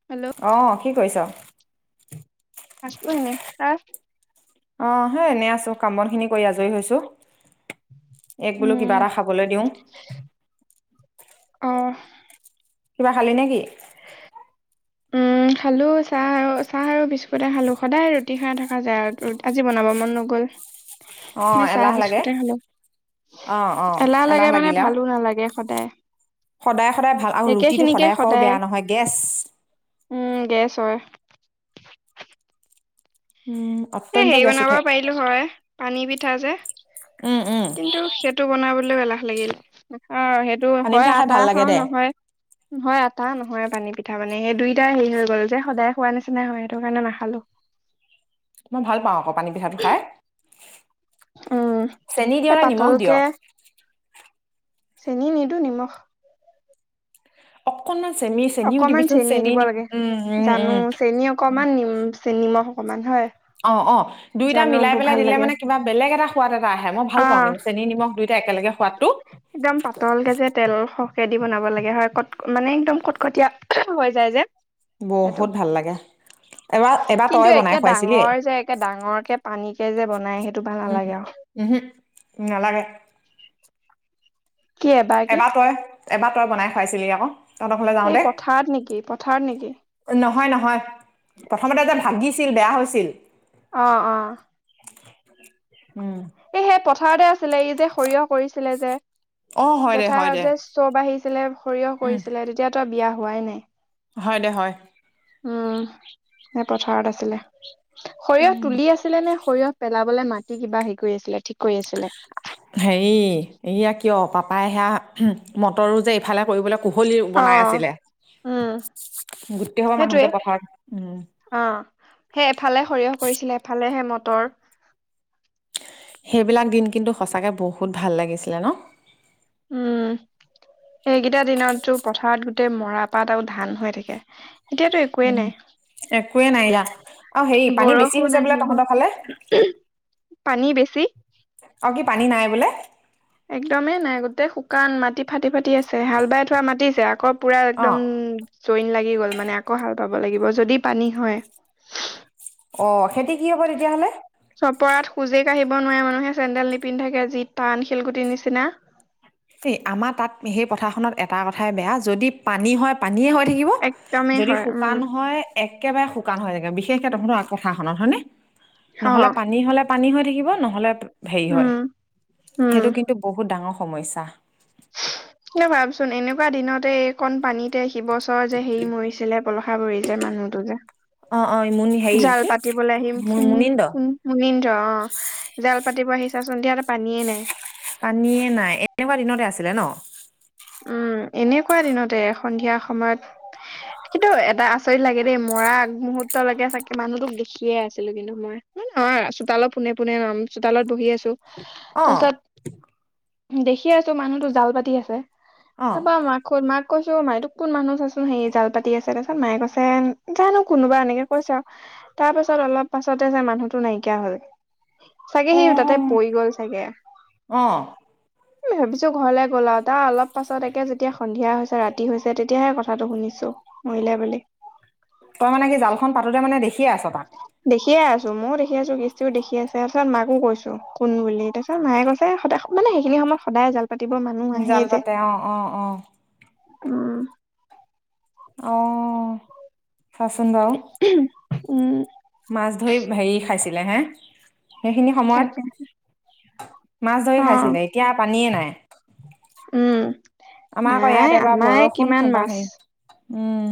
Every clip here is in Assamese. হেল্ল অ কি কৰিছ? আছো এনেই তাৰ- অ সেই এনেই আছো কাম বন খিনি কৰি আজৰি হৈছো। এইক বোলো কিবা উম এটা খাবলৈ দিও। অ কিবা খালি নে কি উম খালো চাহ আৰু চাহ আৰু বিস্কুটে খালো সদায় ৰুটি খাই থকা যায় আৰু আজি বনাব মন নগ'ল অ নে চাহ এলাহ লাগে বিস্কুটে খালো অহ অ লাগে এলাহ মানে লাগিলে আও- ভালো নালাগে সদায় সদায় সদায় ভাল আৰু একে ৰুটিতো খিনিকে সদায় খোৱাও বেয়া নহয় গেছ- উম গেছ হয়। উম এ অত্যন্ত হেৰি গেছ বনাব উঠে পাৰিলো হয় পানী পিঠা যে- উম, উম- কিন্তু সেইটো বনাবলৈও এলাহ লাগিল অ সেইটো পানী হয় পিঠা খাই আটা ভাল লাগে খাও দে নহয় নহয় আটা নহয় পানী পিঠা মানে সেই দুইটা হেৰি হৈ গ'ল যে সদায় খোৱা নিচিনা হয় সেইটো কাৰণে নাখালো। মই ভাল পাও আক পানী পিঠাটো খাই উম চেনি দিয় এই নে নিমখ দিয়? পাতলকে চেনী নিদো নিমখ অকণমান চেমিছ অকমান চেনী দিব লাগে জানো চেনী অকমান নিম চে নিমখ অকমান হয় অ অ দুইটা জানো মিলাই বোৰ পেলাই ভাল দিলে লাগে। মানে কিবা বেলেগ এটা সোৱাদ এটা আহে মই ভাল অ পাও কিন্তু চেনি নিমখ দুই টা একেলগে সোৱাদটো একদম পাতলকে যে তেল সৰহকে দি বনাব লাগে হয় কট মানে একদম কটকটীয়া হৈ যায় যে সেইটো বহুত ভাল লাগে এবাৰ এবাৰ তই বনাই খোৱাইছিলি এ ডাঙৰকে পানীকে যে বনাই সেইটো ভাল নালাগে আও উহু নালাগে কি কি এবাৰ তই এবাৰ তই বনাই খুৱাইছিলি আক এই পথাৰত নেকি পথাৰত নেকি নহয় নহয় প্ৰথমতে যে ভাগিছিল বেয়া হৈছিল অ ', অ', উম, এই সেই পথাৰতে আছিলে ই যে সৰিয়হ কৰিছিলে যে অ হয় দে হয় জেঠাই দে যে চব বাঢ়িছিলে সৰিয়হ উম কৰিছিলে তেতিয়াতো বিয়া হোৱাই নাই হয় দে হয় উম এ পথাৰত আছিলে সৰিয়হ তুলি আছিল ছিলে নে সৰিয়হ পেলাবলে মাটি কিবা হেৰি কৰি আছিলে ঠিক কৰি আছিলে। [inaudible] হেৰি এইয়া কিয় পাপাই সেয়া মটৰো যে এইফালে কৰিবলে কুহলি অ বনাই আছিলে উম গোটেই হোপা মানুহ সেইটোৱে যে পথাৰত উম, অ, সেই এফালে সৰিয়হ কৰিছিলে এফালে সে মটৰ। সেইবিলাক দিন কিন্তু সঁচাকৈ বহুত ভাল লাগিছিলে ন। উম, এইকেইটা দিনততো পথাৰত গোটেই মৰাপাত আৰু ধান হৈ থাকে। এতিয়াতো একোৱেই উম একোৱে দিয়া আৰু হেৰি নাই পানী বেছি হৈছে বৰষুণ বোলে আহিব। তহঁতৰ ফালে পানী বেছি। অ, কি পানী নাই বোলে। একদমেই নাই গোটেই শুকান মাটি ফাটি - ফাটি আছে হাল বাই থোৱা মাতিছে আকৌ পুৰা অ একদম চইন লাগি গ'ল মানে আকৌ হাল পাব লাগিব যদি পানী হয়। অ, খেতি কি হব তেতিয়াহলে? চপৰাত খোজে কাঢ়িব নোৱাৰে মানুহে চেন্দেল নিপিন্ধ থাকে যি টান শিলগুটিৰ নিচিনা। দেই আমাৰ তাত সেই পথাৰখনত এটা কথাই বেয়া যদি পানী হয় - পানীয়ে হয় থাকিব একদমেই যদি হয় উম শুকান হয় একেবাৰে শুকান হৈ থাকে বিশেষকে তহঁতৰ কথাখনত হয়নে। অ নহ'লে পানী হ'লে পানী হৈ থাকিব নহ'লে হেৰি হয় উম উম সেইটো কিন্তু বহুত ডাঙৰ সমস্যা। কিয় ভাবচোন এনেকুৱা দিনতে একণ পানীত এতিয়া সি বছৰ যে হেৰি মৰিছিলে পলসা গুৰিৰ যে মানুহতো যে অ অ মুনি হেৰি জাল কি পাতিবলৈ আহিম মু কুম মুনিন্দ - কুম মনীন্দ্ৰ অ, জাল পাতিব আহিছাচোন এতিয়াটো পানীয়ে নাই। পানীয়ে নাই এনেকুৱা দিনতে আছিলে ন। উম, এনেকুৱা দিনতে সন্ধিয়া সময়ত। কিন্তু এটা আচৰিত লাগে দেই মৰা আগমুহুৰ্তলৈকে চাগে মানুহটোক দেখিয়ে আছিলো কিন্তু মই। নহয় চোতালত পোনে - পোনে লম চোতালত বহি আছো। অ তাৰপিছত দেখি আছো মানুহতো জাল পাতি আছে। অ তাপা মানু ক'ত মাক কৈছো মা এটো কোন মানুহ চাচোন হেৰি জাল পাতি আছে তাৰপিছত মায়ে কৈছে জানো কোনোবা এনেকে কৈছে আৰু। তাৰপিছত অলপ পাছতে যে মানুহটো নাইকিয়া হ'ল। চাগে সি তাতে পৰি অ গ'ল চাগে। অ ভাবিছো ঘৰলে গ'লা আৰু তাৰ অলপ পাছত একে যেতিয়া সন্ধিয়া হৈছে ৰাতি কি হৈছে তেতিয়াহে কথাটো শুনিছো মৰিলে বুলি। তই মানে কি, জালখন পাতোতে মানে দেখিয়েই আছ তাক? দেখিয়ে আছো মইও দেখি আছো গৃষ্টিও দেখি আছে তাৰপিছত মাকো কৈছো কোন বুলি এইটো। মোক মায়ে কৈছে সদায়, মানে সেইখিনি সময়ত সদায় জাল পাতিবো মানুহ আহেই জাল যে। পাতে অ অ অ উম, অ, চাচোন বাৰু। উম, মাছ ধৰি হেৰি খাইছিলে হে সেইখিনি তাকে সময়ত মাছ অ ধৰি খাইছিলে, এতিয়া পানীয়ে নাই। উম আমাৰ আকৌ নাই ইয়াত এবাৰ আমাৰ বৰষুণ কিমান এবাৰ হেৰি মাছ উম,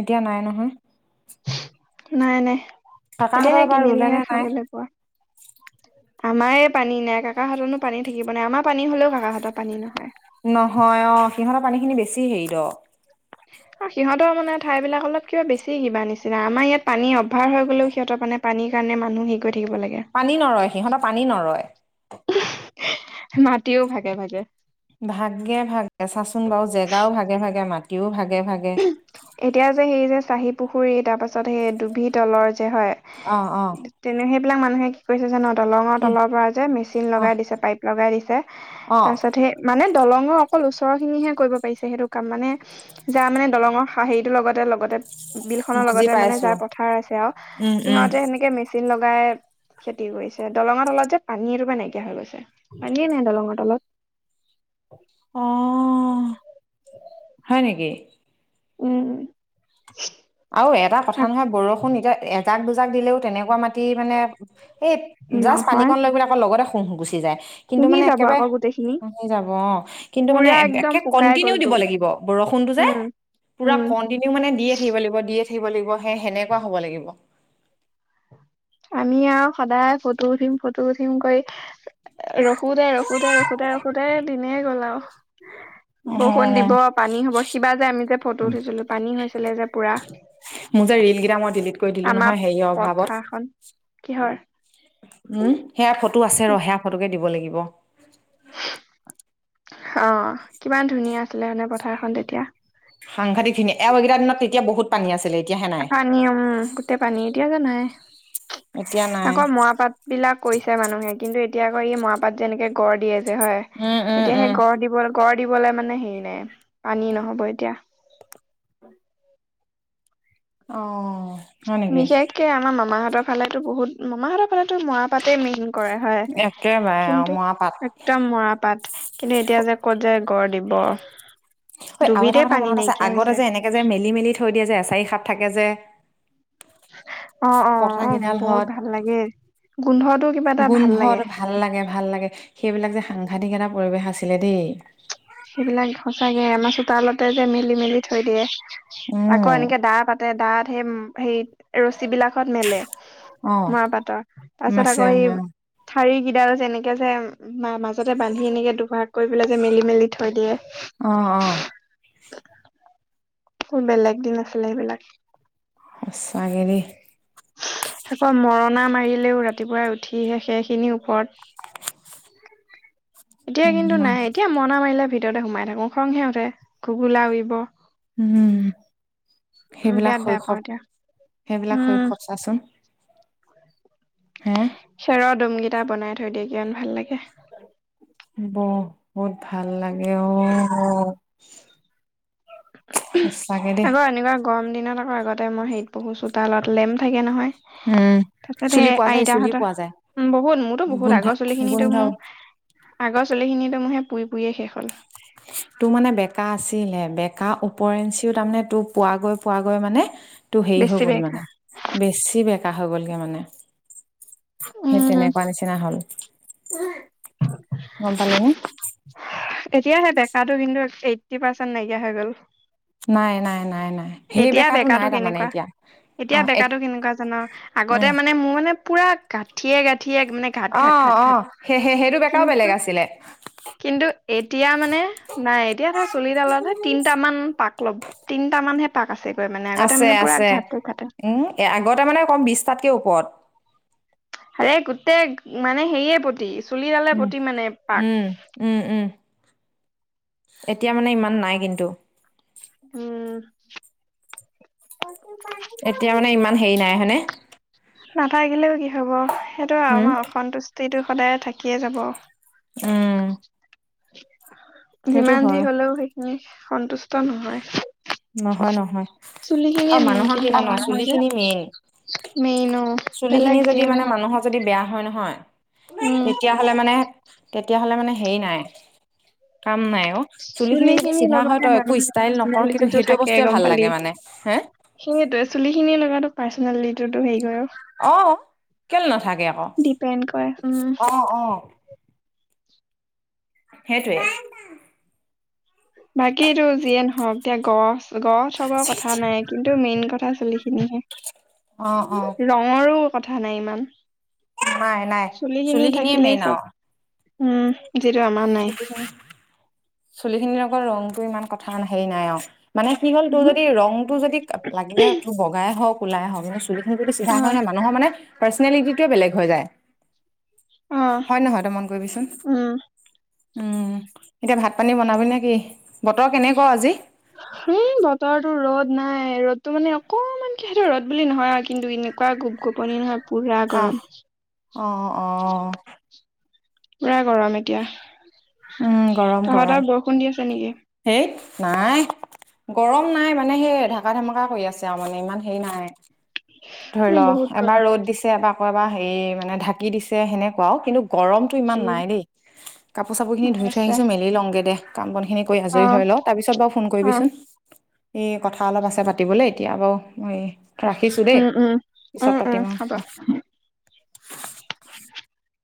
এতিয়া নাই নহয়। নাই - নাই কাকাহঁতৰ এতিয়াহে এবাৰ ৰুলে কিনিলেহে নে নাই খাবলৈ পোৱা। আমাৰে পানী নাই কাকাহতৰনো পানী থাকিব নাই আমাৰ পানী হ'লেও কাকাহতত পানী নহয়। নহয় অ, সিহঁতৰ পানীখিনি বেছি হেৰি দ। সিহঁতৰ মানে ঠাইবিলাক অলপ কিবা বেছি কিবা নিচিনা আমাৰ ইয়াত পানী অভাৰ হৈ গ'লেও সিহঁতৰ মানে পানীৰ কাৰণে মানুহ হেৰি কৰি থাকিব লাগে। পানী নৰয় সিহঁত পানী নৰয়। মাটিও ভাগে - ভাগে। ভাগে-ভাগে, চাচোন বাৰু জেগাও ভাগে - ভাগে মাটিও ভাগে-ভাগে। এতিয়া যে সেই যে চাহি পুখুৰী তাৰপাছত সেই ডুভি তলৰ যে হয়। অ', অ', তেনে সেইবিলাক মানুহে কি কৰিছে জানো দলঙৰ কি তলৰ পৰা যে মেচিন অ লগাই দিছে পাইপ লগাই দিছে। অ তাৰপাছতহে মানে দলঙৰ অকল ওচৰৰ খিনিহে কৰিব পাৰিছে সেইটো কাম মানে যাৰ মানে দলঙৰ হা হেৰিটোৰ লগতে- লগতে বিল খনৰ বুজি লগতে মানে যাৰ পাইছো পথাৰ আছে আৰু উম, উম, সিহঁতে সেনেকে মিস মেচিন লগাই খেতি কৰিছে দলঙৰ তলত যে পানী এটোপা নাইকিয়া হৈ গৈছে। পানীয়ে নাই দলঙৰ তলত। অ, হয় নেকি? উম, আৰু এটা কথা নহয় বৰষুণ এতিয়া এজাক দুজাক দিলেও তেনেকুৱা মাটি মানে এই জাষ্ট নহয় পানীকণ লৈ পেলাই আকৌ লগতে শোঁহ - শোঁহ গুচি যায় কিন্তু পুহি মানে যাব একেবাৰে আকৌ গোটেইখিনি লয় যাব অ, কিন্তু মানে পুৰা একদম একে শুকাই কণ্টিনিউ দিব গ'লতো লাগিব। বৰষুণটো যে, উম পুৰা উম কণ্টিনিউ মানে দিয়ে থাকিব লাগ দে থাকিব লাগিব সে সেনেকুৱা হ'ব লাগিব। আমি আৰু সদায় ফটো উঠিম - ফটো উঠিম কৰি। ৰখোতে- ৰখোতে - ৰখোতে -ৰখোতে দিনে গ'ল অ আৰু। বৰষুণ দিব পানী হ'ব সিবা যে আমি যে ফটো উঠিছিলো পানী হৈছিলে যে পুৰা। মোৰ যে ৰিল কেইটা মই ডিলিট কৰি দিলো আমাৰ নহয় সেয়ৰ পথাৰখন অভাৱত। কিহৰ উম, সেয়া ফটো আছে ৰ সেয়া ফটোকে দিব লাগিব। অ, কিমান ধুনীয়া আছিলে মানে পথাৰখন তেতিয়া সাংঘাতিখিনি এও এইকেইটা দিনত তেতিয়া বহুত পানী আছিলে এতিয়া হে নাই। উম, গোটে পানী এতিয়া যে নাই এতিয়া নাই। আকৌ মৰা পাত বিলাক কৈছে মানুহে কিন্তু এতিয়া আকৌ ই মৰাপাত যেনেকে গড় দিয়ে যে হয়। উম, উম, এতিয়া সেই উম। গড় দিব গড় দিবলে মানে হেৰি নাই পানী নহব এতিয়া। অ', হয় নেকি? বিশেষকে আমাৰ মামাহতৰ ফালেতো বহুত মামাহঁতৰ ফালেতো মৰা পাতেই মেন। কৰা হয়। একেবাৰে আৰু কিন্তু মৰাপাট। একদম মৰাপাত কিন্তু এতিয়া যে ক'ত যে গঢ় দিব। হয় আৰু এটা ডুবিতে কথা পানী মনত আছে নাইকিয়া আগতে হৈছে যে এনেকে যে মেলি মেলি থৈ দিয়ে যে এচাৰি খাত থাকে যে। অ', অ', পতা অ', বহুত কেইডালহত ভাল লাগে গোন্ধটো কিবা এটা ভাল গোন্ধত লাগে। ভাল লাগে - ভাল লাগে সেইবিলাক যে সাংঘাতিক এটা পৰিৱেশ আছিলে দেই। সেইবিলাক সঁচাকে আমাৰ চোতালতে যে মেলি - মেলি থৈ দিয়ে। আকৌ উম। এনেকে দা পাতে দাত সেই - সেই ৰছী বিলাকত মেলে। অ', মাহ পাতৰ তাৰপিছত মাছে আকৌ এই। ঠাৰি গিডাল যে এনেকে যে মাজতে বান্ধি এনেকে দুভাগ কৰি পেলাই যে মেলি- মেলি থৈ দিয়ে। অ ', অ', বেলেগ দিন আছিলে সেইবিলাক। সঁচাকে দেই। আকৌ মৰণা মাৰিলেও ৰাতিপুৱাই উঠিহে সেইখিনি ওপৰত। এতিয়া কিন্তু ইমান নাই এতিয়া মৰনা মাৰিলে ভিতৰতে সোমাই থাকো খঙহে উঠে, ঘুগোলা উৰিব। উম। উম, সেইবিলাক বিৰাট বেয়া পাওঁ এতিয়া। শৈশৱ-সেইবিলাক উম, শৈশৱ চাচোন। হে? খেৰৰ দমকেইটা বনাই থৈ দিয়ে কিমান ভাল লাগে। বহুত ভাল লাগে অ, [unintelligible] সঁচাকে দেই। আকৌ এনেকুৱা গৰম দিনত আকৌ আগতে মই হেৰিত পঢ়ো চোতালত লেম্প থাকে নহয়। উম, তাকে চুলি দেই পোৱা যায়, চুলি পোৱা যায়। আইতাহঁতৰ বহুত মোৰতো বহুত গোন্ধা আগৰ চুলিখিনিটো গোন্ধ মোৰ আগৰ চুলিখিনিটো মোৰ হেই পুৰি-পুৰিয়ে শেষ হ'ল। [inaudible] তোৰ মানে বেকা আছিলে বেকা উপৰেঞ্চিও তাৰমানে তোৰ পোৱাগৈ-পোৱাগৈ মানে টো হেৰি হৈ বেছি গ'ল বেকা মানে বেছি বেকা হৈ গ'লগে মানে। সেই উম, তেনেকুৱা নিচিনা হ'ল গম পালি নে। এতিয়া হেই বেকাটো কিন্তু এইত্তি পাৰ্চেণ্ট নাইকিয়া হৈ গ'ল। নাই-নাই-নাই-নাই। এতিয়া বেকাটো কেনেকুৱা, এতিয়া অ' এ বেকাটো কেনেকুৱা জান আগতে উম, মানে মোৰ মানে পুৰা গাঁঠিয়ে-গাঁঠিয়ে মানে অ' অ' ঘাট-ঘাট-ঘাট-ঘাট সেই সেই সেইটো বেকাও বেলেগ কিন্তু। আছিলে কিন্তু এতিয়া মানে নাই এতিয়া ধৰ চুলিডালত তিনিটা মান পাক ল'ম। তিনিটা মানহে পাক আছেগৈ মানে আগতে আছে মানে পুৰা আছে ঘাটটো খাটে। উম আগতে মানে কম বিছটাতকৈ ওপৰত। হাৰে গোটেই মানে হেৰিয়ে পতি উম-উম। উম-উম, এতিয়া মানে ইমান নাই কিন্তু। উম। উম। এতিয়া মানে ইমান হেৰি নাই হয়নে? নাথাকিলেও কি হ'ব সেইটো উম আমাৰ অসন্তুষ্টিটো সদায় থাকিয়ে যাব। উম। সেইটো যিমান যি হয় হ'লেও সেইখিনি সন্তুষ্ট নহয়। নহয় নহয় চুলিখিনিয়ে আৰু মেইন মানুহৰ কি কিন্তু জান [unintelligible] চুলি যে খিনি মেইন মেইন অ'। চুলি বেলেগ খিনি যিয়ে যদি মানে নহওক মানুহৰ যদি বেয়া হয় নহয়। উম। তেতিয়াহ'লে মানে, তেতিয়াহ'লে মানে হেৰি নাই কাম নাই অ' চুলি খিনি যদি চিধা হয় লগতে তই একো মানুহৰ ষ্টাইল নকৰ কিন্তু পাৰ্চনেলিটিটো সেইটো থাকে বস্তুৱে গম ভাল পালি লাগে মানে হে। সেইটোৱে চুলি খিনি লগাতো পাৰ্চনেলিটিটো হেৰি কৰে অ'। অ' কেলে নাথাকে আকৌ ডিপেণ্ড কৰে উম অ'-অ'। সেইটোৱে। বাকী এইটো যিয়ে নহওক এতিয়া গ [unintelligible] চবৰ কথা নাই কিন্তু মেইন কথা চুলিখিনিহে। অ অ ৰং মোৰো কথা নাই ইমান নাই নাই চুলিখিনি চুলি খিনিয়ে থাকিলেই মেইন চব। আৰু উম। যিটো আমাৰ নাই [inaudible] চুলি খিনিৰ লগত ৰংটো ইমান কথা হেৰি নাই আৰু। মানে কি হ'ল তোৰ উহু, যদি ৰঙটো যদি লাগিলে তোৰ বগাই হওক কোলাই হওক মানে চুলি যদি চিধা অ হয় ন' মানুহৰ মানে পাৰ্চনেলিটিটোৱে বেলেগ হৈ যায়। অ হয় নহয় তই মন কৰিবিচোন। উম উম এতিয়া ভাত পানী বনাবি নে কি? বতৰ কেনেকুৱা আজি। হি বতৰটো ৰ'দ নাই ৰ'দতটো মানে অকমান কি সটো ৰ'দ বুলি নহয় আৰু কিন্তু এনে। কোৱা গোপ গোপনি নহয় পুৰা আহ গৰম। অ অ পুৰা গৰম এতিয়া উম তহতৰ বৰষুণ দি আছে নেকি। সেইত নাই। গৰম নাই মানে সেই ঢাকা ধেমেকা কৰি আছে আৰু মানে ইমান হেৰি নাই। ধৰিল বহুত এবাৰ গৰম ৰ'দ দিছে এবাৰ আকৌ এবাৰ হেৰি মানে ঢাকি দিছে সেনেকুৱাও কিন্তু গৰম ৰ'দটো ইমান নাই দেই কাপোৰ চাপোৰ খিনি উম ধুই থৈ আছে আহিছোঁ মেলি লওঁগে দে কাম বন খিনি কৰি অ আজৰি হয় লও তাৰপিছত বাৰু ফোন অ কৰিবিচোন। এ কথা অলপ আছে পাতিবলে এতিয়া বাৰু এই ৰাখিছো উম দেই। উম উম পিছত পাতিম উম আৰু হ'ব।